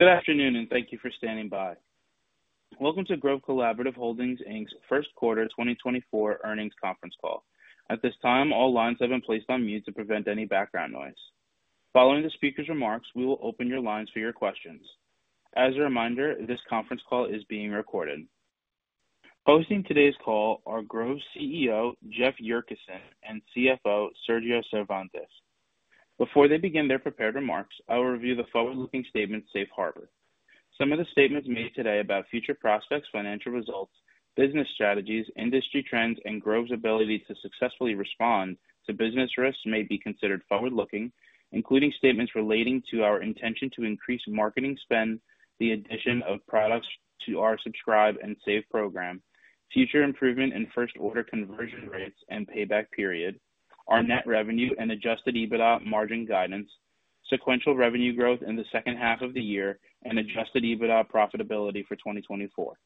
Good afternoon and thank you for standing by. Welcome to Grove Collaborative Holdings, Inc.'s first quarter 2024 earnings conference call. At this time, all lines have been placed on mute to prevent any background noise. Following the speaker's remarks, we will open your lines for your questions. As a reminder, this conference call is being recorded. Hosting today's call are Grove's CEO, Jeff Yurcisin, and CFO, Sergio Cervantes. Before they begin their prepared remarks, I will review the forward-looking statements Safe Harbor. Some of the statements made today about future prospects, financial results, business strategies, industry trends, and Grove's ability to successfully respond to business risks may be considered forward-looking, including statements relating to our intention to increase marketing spend, the addition of products to our Subscribe and Save program, future improvement in first-order conversion rates and payback period, our net revenue and adjusted EBITDA margin guidance, sequential revenue growth in the second half of the year, and adjusted EBITDA profitability for 2024.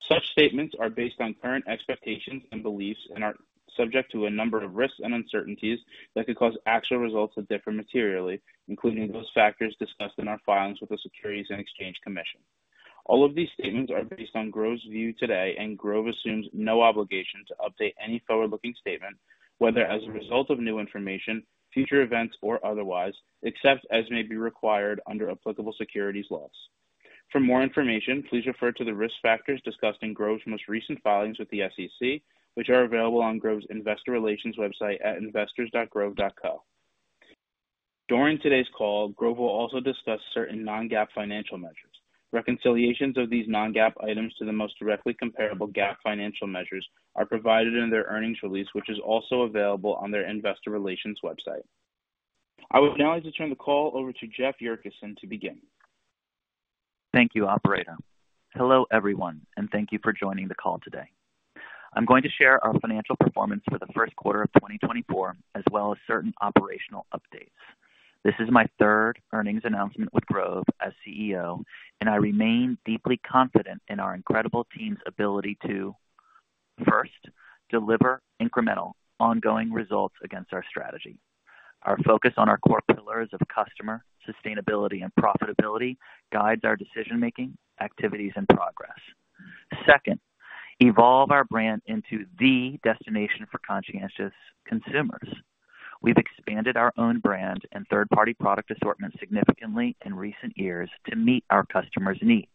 Such statements are based on current expectations and beliefs and are subject to a number of risks and uncertainties that could cause actual results to differ materially, including those factors discussed in our filings with the Securities and Exchange Commission. All of these statements are based on Grove's view today, and Grove assumes no obligation to update any forward-looking statement, whether as a result of new information, future events, or otherwise, except as may be required under applicable securities laws. For more information, please refer to the risk factors discussed in Grove's most recent filings with the SEC, which are available on Grove's investor relations website at investors.grove.co. During today's call, Grove will also discuss certain non-GAAP financial measures. Reconciliations of these non-GAAP items to the most directly comparable GAAP financial measures are provided in their earnings release, which is also available on their investor relations website. I would now like to turn the call over to Jeff Yurcisin to begin. Thank you, operator. Hello everyone, and thank you for joining the call today. I'm going to share our financial performance for the first quarter of 2024 as well as certain operational updates. This is my third earnings announcement with Grove as CEO, and I remain deeply confident in our incredible team's ability to, first, deliver incremental, ongoing results against our strategy. Our focus on our core pillars of customer, sustainability, and profitability guides our decision-making, activities, and progress. Second, evolve our brand into the destination for conscientious consumers. We've expanded our own brand and third-party product assortment significantly in recent years to meet our customers' needs.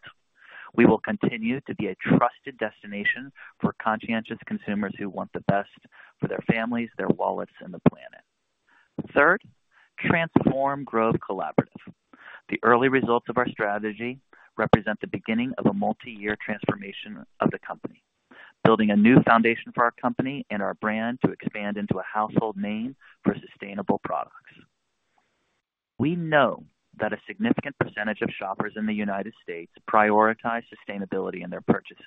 We will continue to be a trusted destination for conscientious consumers who want the best for their families, their wallets, and the planet. Third, transform Grove Collaborative. The early results of our strategy represent the beginning of a multi-year transformation of the company, building a new foundation for our company and our brand to expand into a household name for sustainable products. We know that a significant percentage of shoppers in the United States prioritize sustainability in their purchases,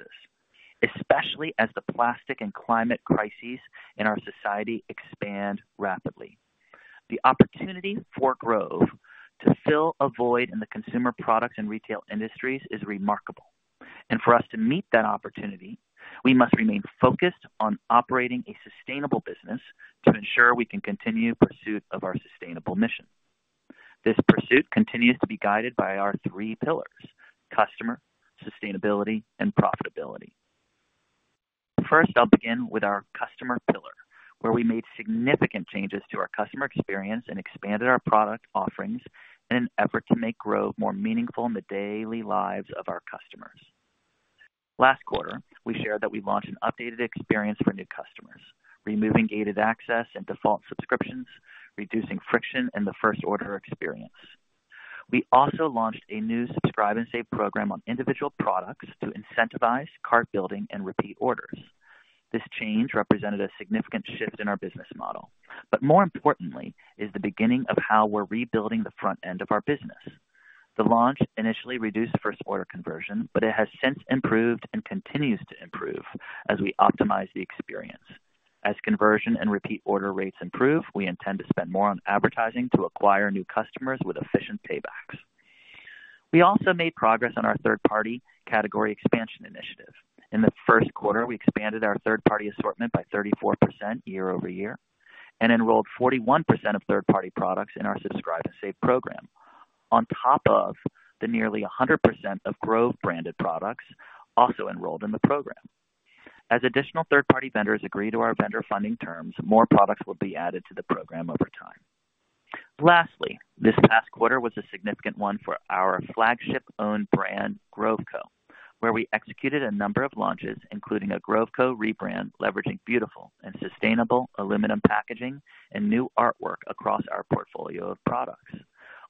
especially as the plastic and climate crises in our society expand rapidly. The opportunity for Grove to fill a void in the consumer products and retail industries is remarkable, and for us to meet that opportunity, we must remain focused on operating a sustainable business to ensure we can continue pursuit of our sustainable mission. This pursuit continues to be guided by our three pillars: customer, sustainability, and profitability. First, I'll begin with our customer pillar, where we made significant changes to our customer experience and expanded our product offerings in an effort to make Grove more meaningful in the daily lives of our customers. Last quarter, we shared that we launched an updated experience for new customers, removing gated access and default subscriptions, reducing friction in the first-order experience. We also launched a new Subscribe and Save program on individual products to incentivize cart building and repeat orders. This change represented a significant shift in our business model, but more importantly, is the beginning of how we're rebuilding the front end of our business. The launch initially reduced first-order conversion, but it has since improved and continues to improve as we optimize the experience. As conversion and repeat order rates improve, we intend to spend more on advertising to acquire new customers with efficient paybacks. We also made progress on our third-party category expansion initiative. In the first quarter, we expanded our third-party assortment by 34% year-over-year and enrolled 41% of third-party products in our Subscribe and Save program, on top of the nearly 100% of Grove-branded products also enrolled in the program. As additional third-party vendors agree to our vendor funding terms, more products will be added to the program over time. Lastly, this past quarter was a significant one for our flagship-owned brand, Grove Co, where we executed a number of launches, including a Grove Co rebrand leveraging beautiful and sustainable aluminum packaging and new artwork across our portfolio of products.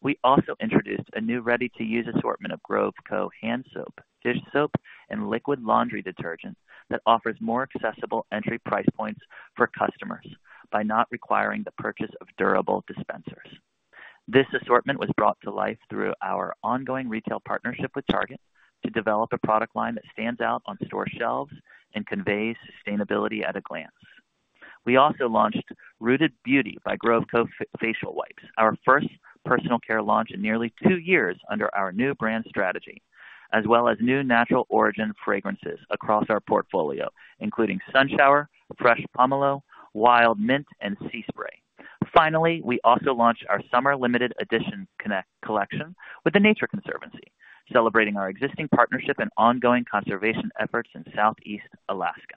We also introduced a new ready-to-use assortment of Grove Co hand soap, dish soap, and liquid laundry detergent that offers more accessible entry price points for customers by not requiring the purchase of durable dispensers. This assortment was brought to life through our ongoing retail partnership with Target to develop a product line that stands out on store shelves and conveys sustainability at a glance. We also launched Rooted Beauty by Grove Co Facial Wipes, our first personal care launch in nearly two years under our new brand strategy, as well as new natural origin fragrances across our portfolio, including Sun Shower, Fresh Pomelo, Wild Mint, and Sea Spray. Finally, we also launched our summer limited edition collection with The Nature Conservancy, celebrating our existing partnership and ongoing conservation efforts in Southeast Alaska.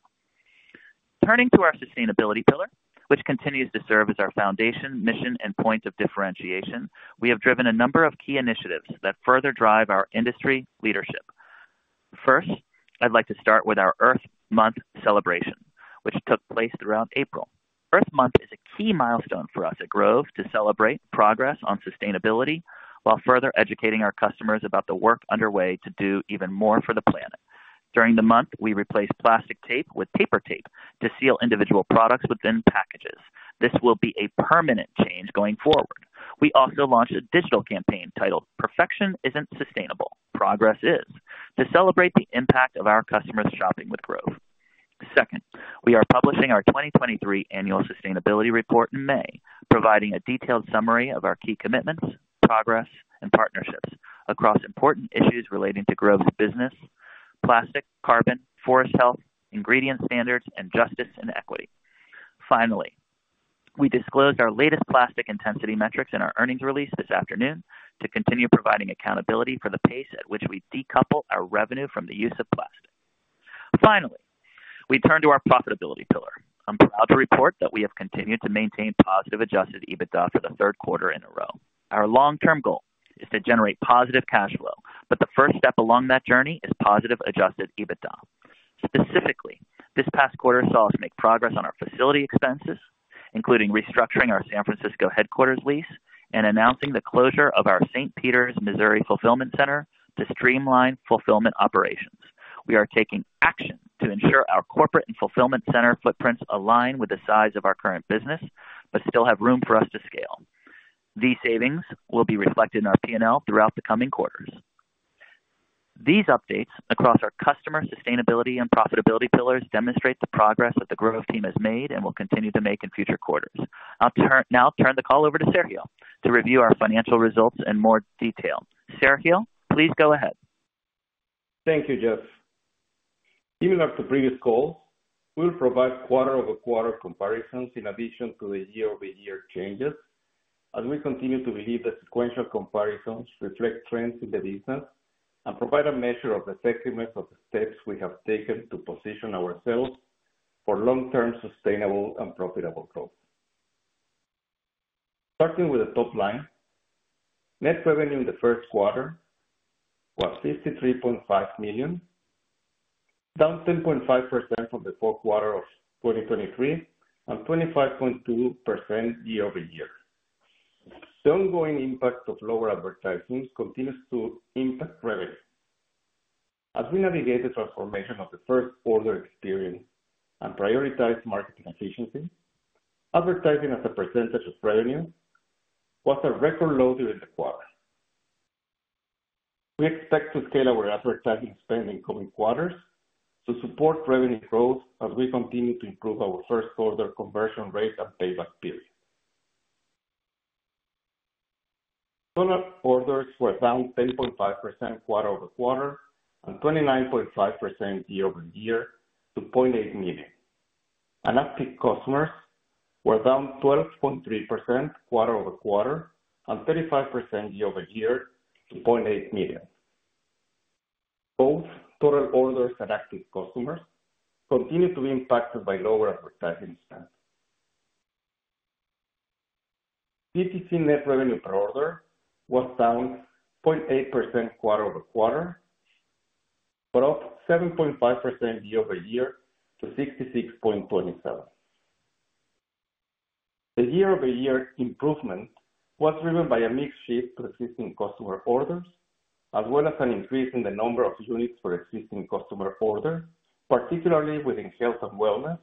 Turning to our sustainability pillar, which continues to serve as our foundation, mission, and point of differentiation, we have driven a number of key initiatives that further drive our industry leadership. First, I'd like to start with our Earth Month celebration, which took place throughout April. Earth Month is a key milestone for us at Grove to celebrate progress on sustainability while further educating our customers about the work underway to do even more for the planet. During the month, we replace plastic tape with paper tape to seal individual products within packages. This will be a permanent change going forward. We also launched a digital campaign titled "Perfection Isn't Sustainable; Progress Is," to celebrate the impact of our customers shopping with Grove. Second, we are publishing our 2023 annual sustainability report in May, providing a detailed summary of our key commitments, progress, and partnerships across important issues relating to Grove's business, plastic, carbon, forest health, ingredient standards, and justice and equity. Finally, we disclosed our latest plastic intensity metrics in our earnings release this afternoon to continue providing accountability for the pace at which we decouple our revenue from the use of plastic. Finally, we turn to our profitability pillar. I'm proud to report that we have continued to maintain positive Adjusted EBITDA for the third quarter in a row. Our long-term goal is to generate positive cash flow, but the first step along that journey is positive Adjusted EBITDA. Specifically, this past quarter saw us make progress on our facility expenses, including restructuring our San Francisco headquarters lease and announcing the closure of our St. Peters, Missouri fulfillment center to streamline fulfillment operations. We are taking action to ensure our corporate and fulfillment center footprints align with the size of our current business but still have room for us to scale. These savings will be reflected in our P&L throughout the coming quarters. These updates across our customer sustainability and profitability pillars demonstrate the progress that the Grove team has made and will continue to make in future quarters. I'll now turn the call over to Sergio to review our financial results in more detail. Sergio, please go ahead. Thank you, Jeff. Even after previous calls, we will provide quarter-over-quarter comparisons in addition to the year-over-year changes, as we continue to believe that sequential comparisons reflect trends in the business and provide a measure of the significance of steps we have taken to position ourselves for long-term sustainable and profitable growth. Starting with the top line, net revenue in the first quarter was $53.5 million, down 10.5% from the fourth quarter of 2023 and 25.2% year-over-year. The ongoing impact of lower advertising continues to impact revenue. As we navigate the transformation of the first-order experience and prioritize marketing efficiency, advertising as a percentage of revenue was a record low during the quarter. We expect to scale our advertising spend in coming quarters to support revenue growth as we continue to improve our first-order conversion rate and payback period. Total orders were down 10.5% quarter-over-quarter and 29.5% year-over-year to 0.8 million, and active customers were down 12.3% quarter-over-quarter and 35% year-over-year to 0.8 million. Both total orders and active customers continue to be impacted by lower advertising spend. DTC net revenue per order was down 0.8% quarter-over-quarter but up 7.5% year-over-year to $66.27. The year-over-year improvement was driven by a mixed shift to existing customer orders as well as an increase in the number of units for existing customer orders, particularly within health and wellness,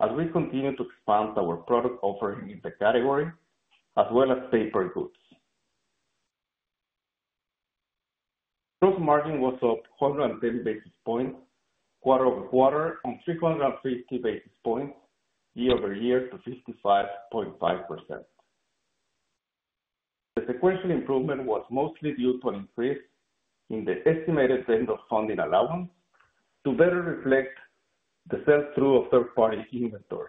as we continue to expand our product offering in the category as well as paper goods. Gross margin was up 110 basis points quarter-over-quarter and 350 basis points year-over-year to 55.5%. The sequential improvement was mostly due to an increase in the estimated vendor funding allowance to better reflect the sell-through of third-party inventory.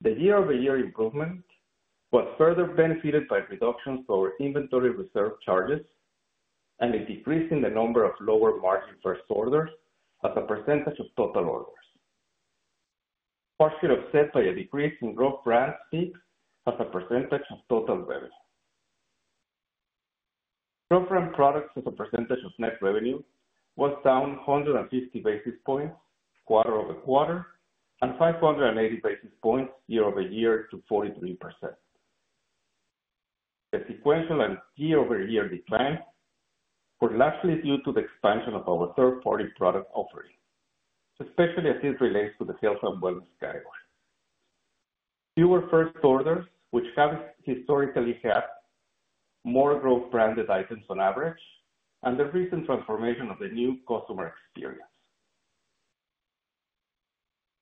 The year-over-year improvement was further benefited by reductions for inventory reserve charges and a decrease in the number of lower margin first orders as a percentage of total orders, partially offset by a decrease in Grove brand speaks as a percentage of total revenue. Grove brand products as a percentage of net revenue was down 150 basis points quarter-over-quarter and 580 basis points year-over-year to 43%. The sequential and year-over-year decline was largely due to the expansion of our third-party product offering, especially as this relates to the health and wellness category. Fewer first orders, which have historically had more Grove branded items on average, and the recent transformation of the new customer experience.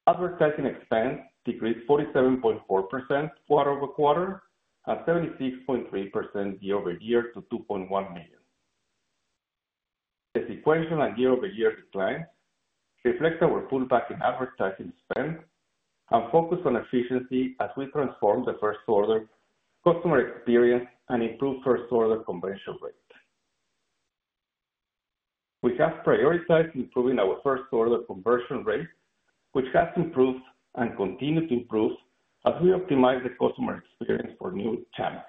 Advertising expense decreased 47.4% quarter-over-quarter and 76.3% year-over-year to $2.1 million. The sequential and year-over-year decline reflects our pullback in advertising spend and focus on efficiency as we transform the first-order customer experience and improve first-order conversion rate. We have prioritized improving our first-order conversion rate, which has improved and continued to improve as we optimize the customer experience for new channels.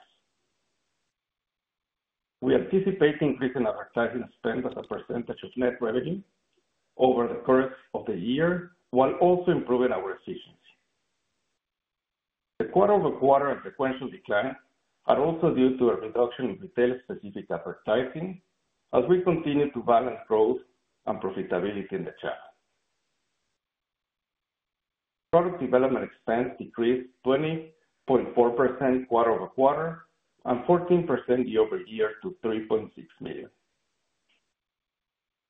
We anticipate increasing advertising spend as a percentage of net revenue over the course of the year while also improving our efficiency. The quarter-over-quarter and sequential decline are also due to a reduction in retail-specific advertising as we continue to balance growth and profitability in the channel. Product development expense decreased 20.4% quarter-over-quarter and 14% year-over-year to $3.6 million.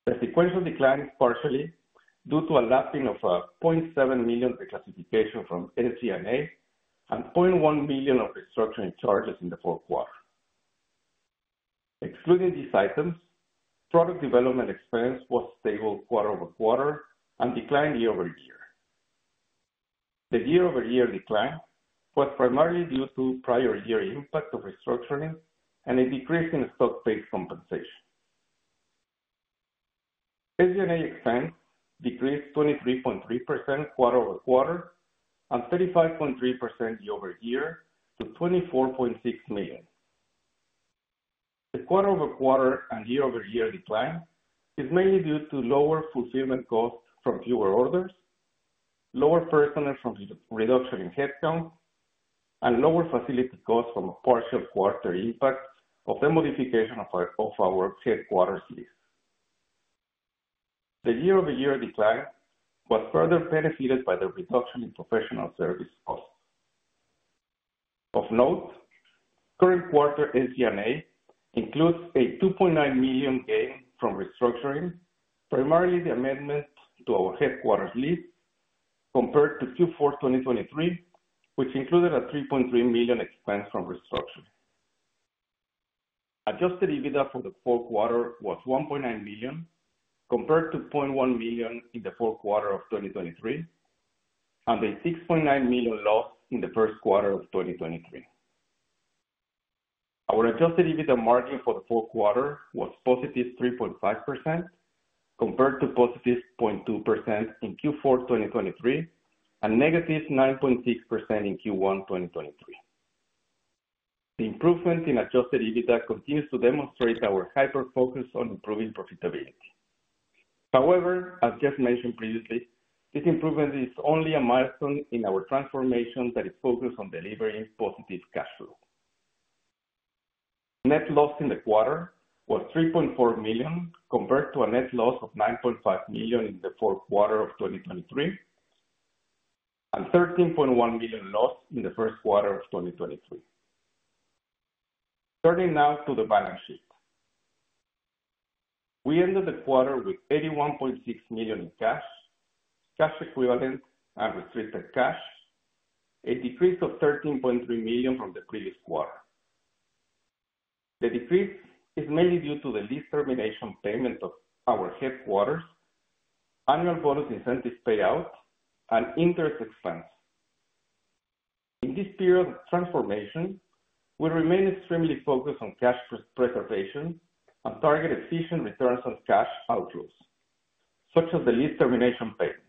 The sequential decline is partially due to a lapping of $0.7 million declassification from SG&A and $0.1 million of restructuring charges in the fourth quarter. Excluding these items, product development expense was stable quarter-over-quarter and declined year-over-year. The year-over-year decline was primarily due to prior year impact of restructuring and a decrease in stock-based compensation. SG&A expense decreased 23.3% quarter-over-quarter and 35.3% year-over-year to $24.6 million. The quarter-over-quarter and year-over-year decline is mainly due to lower fulfillment costs from fewer orders, lower personnel from reduction in headcount, and lower facility costs from a partial quarter impact of the modification of our headquarters lease. The year-over-year decline was further benefited by the reduction in professional service costs. Of note, current quarter SG&A includes a $2.9 million gain from restructuring, primarily the amendment to our headquarters lease compared to Q4 2023, which included a $3.3 million expense from restructuring. Adjusted EBITDA for the fourth quarter was $1.9 million compared to $0.1 million in the fourth quarter of 2023 and a $6.9 million loss in the first quarter of 2023. Our adjusted EBITDA margin for the fourth quarter was positive 3.5% compared to positive 0.2% in Q4 2023 and negative 9.6% in Q1 2023. The improvement in adjusted EBITDA continues to demonstrate our hyper-focus on improving profitability. However, as Jeff mentioned previously, this improvement is only a milestone in our transformation that is focused on delivering positive cash flow. Net loss in the quarter was $3.4 million compared to a net loss of $9.5 million in the fourth quarter of 2023 and $13.1 million loss in the first quarter of 2023. Turning now to the balance sheet, we ended the quarter with $81.6 million in cash, cash equivalent, and restricted cash, a decrease of $13.3 million from the previous quarter. The decrease is mainly due to the lease termination payment of our headquarters, annual bonus incentives payout, and interest expense. In this period of transformation, we remain extremely focused on cash preservation and target efficient returns on cash outflows, such as the lease termination payment.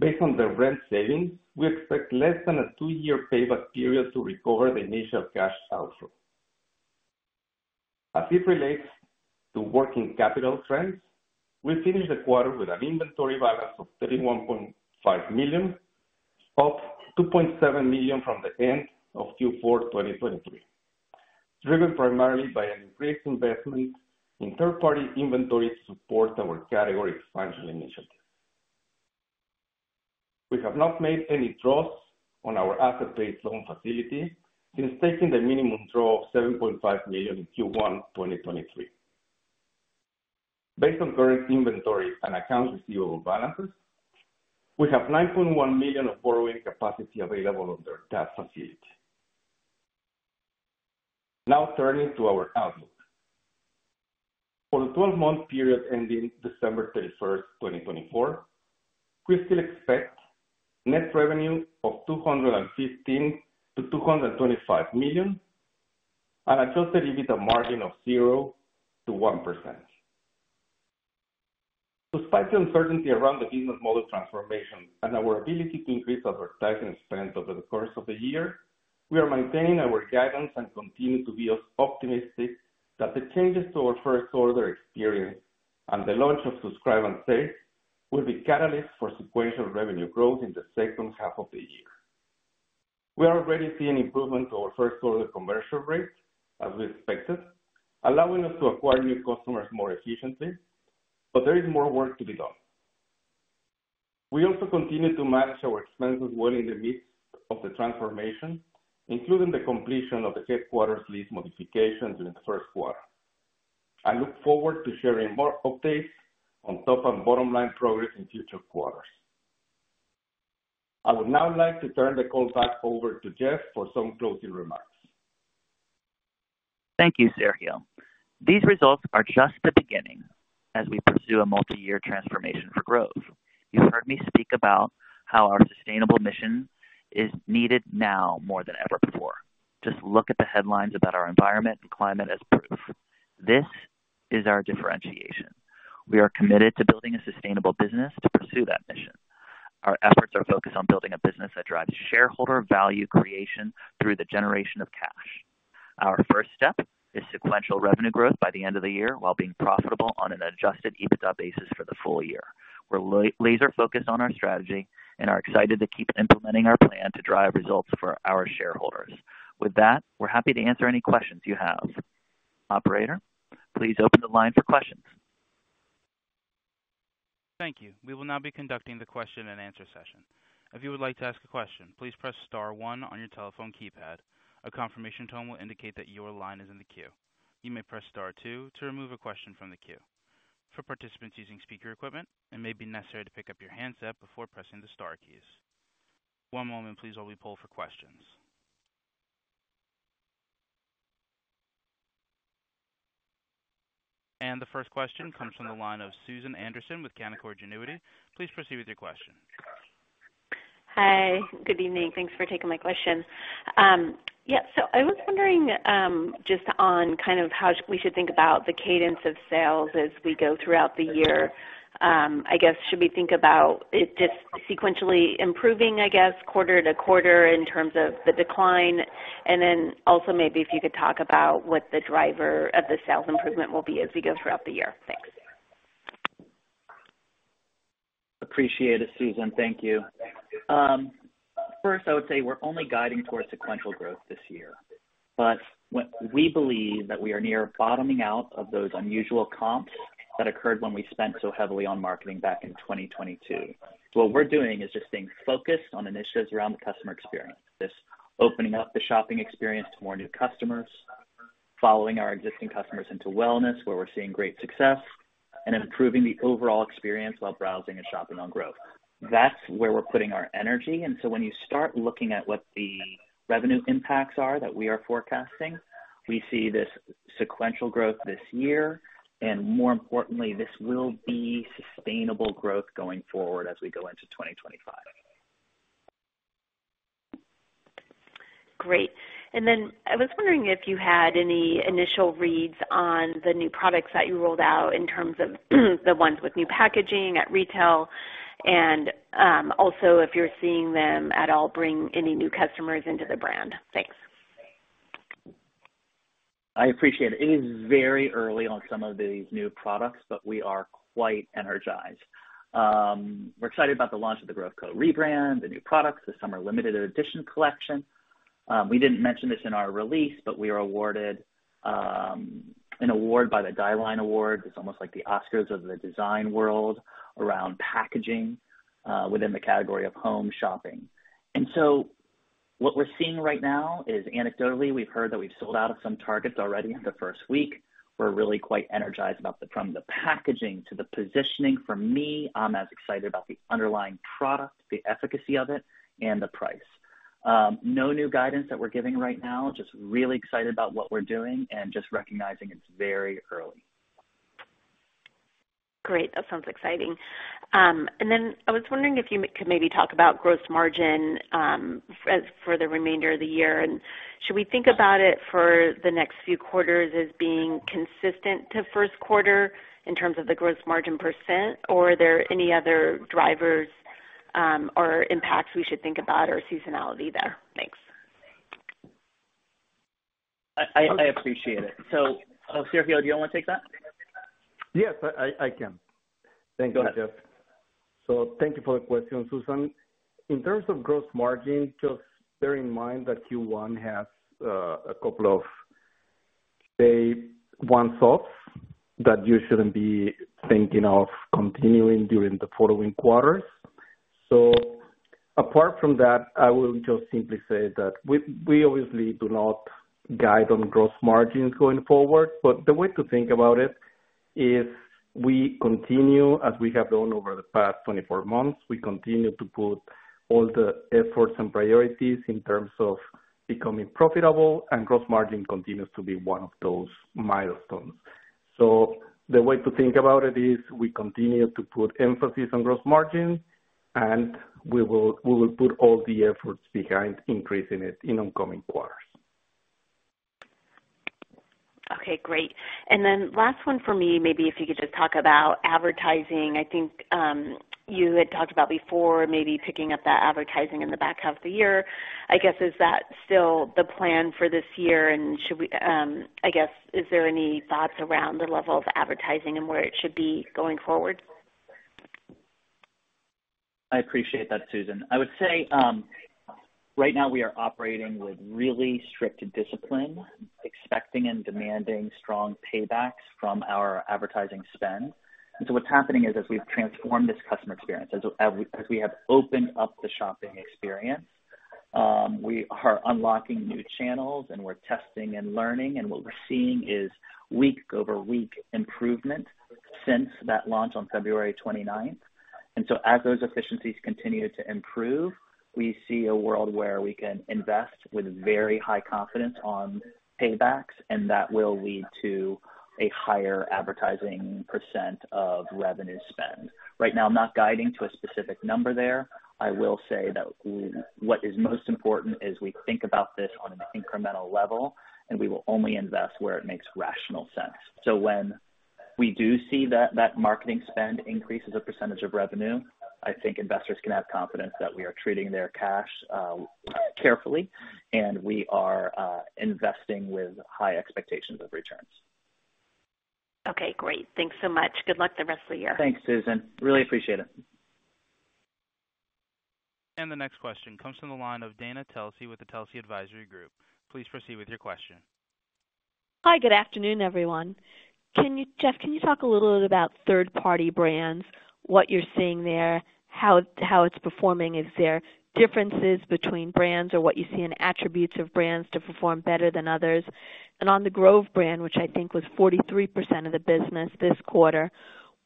Based on the rent savings, we expect less than a two-year payback period to recover the initial cash outflow. As it relates to working capital trends, we finished the quarter with an inventory balance of $31.5 million, up $2.7 million from the end of Q4 2023, driven primarily by an increased investment in third-party inventory to support our category expansion initiative. We have not made any draws on our asset-based loan facility since taking the minimum draw of $7.5 million in Q1 2023. Based on current inventory and accounts receivable balances, we have $9.1 million of borrowing capacity available under that facility. Now turning to our outlook. For the 12-month period ending December 31st, 2024, we still expect net revenue of $215 million-$225 million and Adjusted EBITDA margin of 0%-1%. Despite the uncertainty around the business model transformation and our ability to increase advertising spend over the course of the year, we are maintaining our guidance and continue to be as optimistic that the changes to our first-order experience and the launch of subscribe and save will be catalysts for sequential revenue growth in the second half of the year. We are already seeing improvement to our first-order conversion rate as we expected, allowing us to acquire new customers more efficiently, but there is more work to be done. We also continue to manage our expenses well in the midst of the transformation, including the completion of the headquarters lease modification during the first quarter. I look forward to sharing more updates on top and bottom line progress in future quarters. I would now like to turn the call back over to Jeff for some closing remarks. Thank you, Sergio. These results are just the beginning as we pursue a multi-year transformation for growth. You've heard me speak about how our sustainable mission is needed now more than ever before. Just look at the headlines about our environment and climate as proof. This is our differentiation. We are committed to building a sustainable business to pursue that mission. Our efforts are focused on building a business that drives shareholder value creation through the generation of cash. Our first step is sequential revenue growth by the end of the year while being profitable on an Adjusted EBITDA basis for the full year. We're laser-focused on our strategy and are excited to keep implementing our plan to drive results for our shareholders. With that, we're happy to answer any questions you have. Operator, please open the line for questions. Thank you. We will now be conducting the question-and-answer session. If you would like to ask a question, please press star one on your telephone keypad. A confirmation tone will indicate that your line is in the queue. You may press star two to remove a question from the queue. For participants using speaker equipment, it may be necessary to pick up your handset before pressing the star keys. One moment, please, while we pull for questions. The first question comes from the line of Susan Anderson with Canaccord Genuity. Please proceed with your question. Hi. Good evening. Thanks for taking my question. Yeah, so I was wondering just on kind of how we should think about the cadence of sales as we go throughout the year. I guess should we think about it just sequentially improving, I guess, quarter to quarter in terms of the decline? And then also maybe if you could talk about what the driver of the sales improvement will be as we go throughout the year. Thanks. Appreciate it, Susan. Thank you. First, I would say we're only guiding towards sequential growth this year, but we believe that we are near bottoming out of those unusual comps that occurred when we spent so heavily on marketing back in 2022. What we're doing is just staying focused on initiatives around the customer experience, opening up the shopping experience to more new customers, following our existing customers into wellness where we're seeing great success, and improving the overall experience while browsing and shopping on Grove. That's where we're putting our energy. And so when you start looking at what the revenue impacts are that we are forecasting, we see this sequential growth this year. And more importantly, this will be sustainable growth going forward as we go into 2025. Great. And then I was wondering if you had any initial reads on the new products that you rolled out in terms of the ones with new packaging at retail and also if you're seeing them at all bring any new customers into the brand. Thanks. I appreciate it. It is very early on some of these new products, but we are quite energized. We're excited about the launch of the Grove Co. rebrand, the new products, the Summer Limited Edition collection. We didn't mention this in our release, but we were awarded an award by the Dieline Award. It's almost like the Oscars of the design world around packaging within the category of home shopping. And so what we're seeing right now is anecdotally, we've heard that we've sold out of some targets already in the first week. We're really quite energized from the packaging to the positioning. For me, I'm as excited about the underlying product, the efficacy of it, and the price. No new guidance that we're giving right now. Just really excited about what we're doing and just recognizing it's very early. Great. That sounds exciting. Then I was wondering if you could maybe talk about gross margin for the remainder of the year. Should we think about it for the next few quarters as being consistent to first quarter in terms of the gross margin %, or are there any other drivers or impacts we should think about or seasonality there? Thanks. I appreciate it. So Sergio, do you want to take that? Yes, I can. Thank you, Jeff. So thank you for the question, Susan. In terms of gross margin, just bear in mind that Q1 has a couple of one-offs that you shouldn't be thinking of continuing during the following quarters. So apart from that, I will just simply say that we obviously do not guide on gross margins going forward. But the way to think about it is we continue as we have done over the past 24 months. We continue to put all the efforts and priorities in terms of becoming profitable, and gross margin continues to be one of those milestones. So the way to think about it is we continue to put emphasis on gross margin, and we will put all the efforts behind increasing it in upcoming quarters. Okay, great. And then last one for me, maybe if you could just talk about advertising. I think you had talked about before maybe picking up that advertising in the back half of the year. I guess, is that still the plan for this year? And I guess, is there any thoughts around the level of advertising and where it should be going forward? I appreciate that, Susan. I would say right now, we are operating with really strict discipline, expecting and demanding strong paybacks from our advertising spend. What's happening is as we've transformed this customer experience, as we have opened up the shopping experience, we are unlocking new channels, and we're testing and learning. What we're seeing is week-over-week improvement since that launch on February 29th. As those efficiencies continue to improve, we see a world where we can invest with very high confidence on paybacks, and that will lead to a higher advertising % of revenue spend. Right now, I'm not guiding to a specific number there. I will say that what is most important is we think about this on an incremental level, and we will only invest where it makes rational sense. When we do see that marketing spend increase as a percentage of revenue, I think investors can have confidence that we are treating their cash carefully, and we are investing with high expectations of returns. Okay, great. Thanks so much. Good luck the rest of the year. Thanks, Susan. Really appreciate it. The next question comes from the line of Dana Telsey with the Telsey Advisory Group. Please proceed with your question. Hi. Good afternoon, everyone. Jeff, can you talk a little bit about third-party brands, what you're seeing there, how it's performing? Is there differences between brands or what you see in attributes of brands to perform better than others? And on the Grove brand, which I think was 43% of the business this quarter,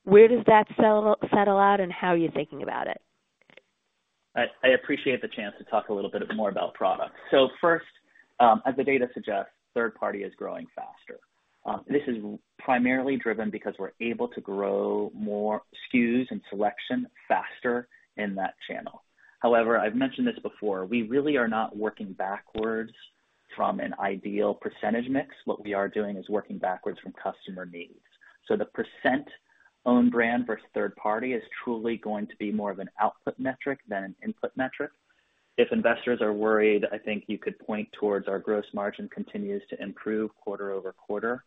where does that settle out, and how are you thinking about it? I appreciate the chance to talk a little bit more about products. So first, as the data suggests, third-party is growing faster. This is primarily driven because we're able to grow more SKUs and selection faster in that channel. However, I've mentioned this before. We really are not working backwards from an ideal percentage mix. What we are doing is working backwards from customer needs. So the percent owned brand versus third-party is truly going to be more of an output metric than an input metric. If investors are worried, I think you could point towards our gross margin continues to improve quarter-over-quarter,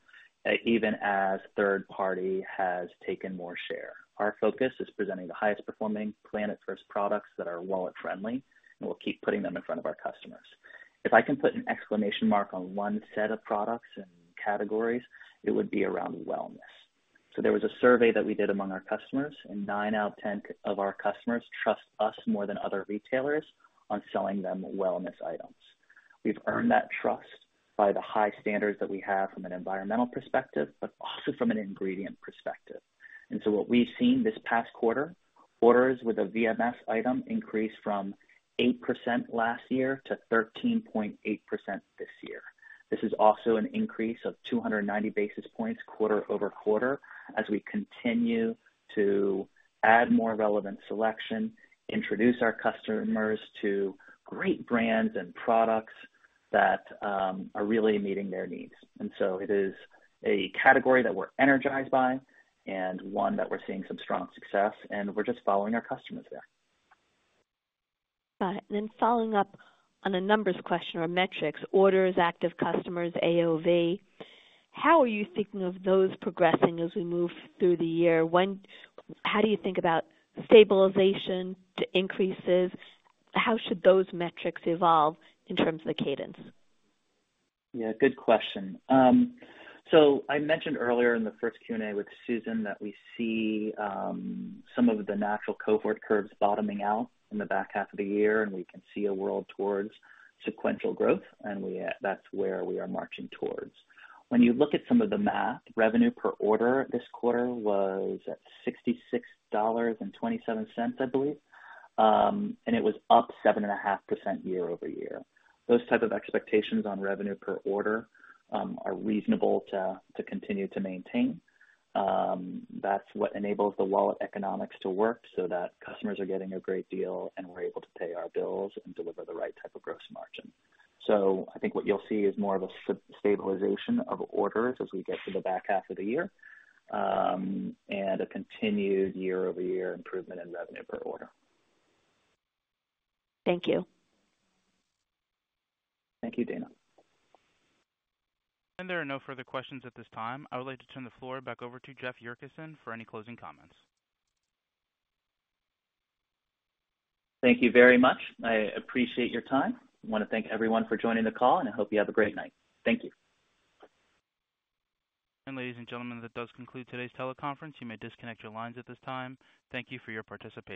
even as third-party has taken more share. Our focus is presenting the highest performing planet-first products that are wallet-friendly, and we'll keep putting them in front of our customers. If I can put an exclamation mark on one set of products and categories, it would be around wellness. So there was a survey that we did among our customers, and nine out of 10 of our customers trust us more than other retailers on selling them wellness items. We've earned that trust by the high standards that we have from an environmental perspective, but also from an ingredient perspective. And so what we've seen this past quarter, orders with a VMS item increased from 8% last year to 13.8% this year. This is also an increase of 290 basis points quarter-over-quarter as we continue to add more relevant selection, introduce our customers to great brands and products that are really meeting their needs. And so it is a category that we're energized by and one that we're seeing some strong success, and we're just following our customers there. Got it. And then following up on a numbers question or metrics, orders, active customers, AOV, how are you thinking of those progressing as we move through the year? How do you think about stabilization to increases? How should those metrics evolve in terms of the cadence? Yeah, good question. So I mentioned earlier in the first Q&A with Susan that we see some of the natural cohort curves bottoming out in the back half of the year, and we can see a world towards sequential growth, and that's where we are marching towards. When you look at some of the math, revenue per order this quarter was at $66.27, I believe, and it was up 7.5% year-over-year. Those types of expectations on revenue per order are reasonable to continue to maintain. That's what enables the wallet economics to work so that customers are getting a great deal, and we're able to pay our bills and deliver the right type of gross margin. So I think what you'll see is more of a stabilization of orders as we get to the back half of the year and a continued year-over-year improvement in revenue per order. Thank you. Thank you, Dana. There are no further questions at this time. I would like to turn the floor back over to Jeff Yurcisin for any closing comments. Thank you very much. I appreciate your time. I want to thank everyone for joining the call, and I hope you have a great night. Thank you. Ladies and gentlemen, that does conclude today's teleconference. You may disconnect your lines at this time. Thank you for your participation.